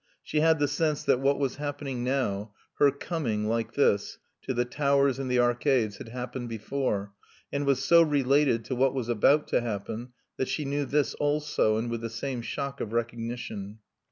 She had the sense that what was happening now, her coming, like this, to the towers and the arcades, had happened before, and was so related to what was about to happen that she knew this also and with the same shock of recognition.